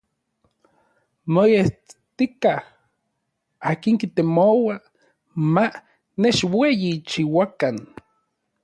Moetstikaj n akin kitemoua ma nechueyichiuakan.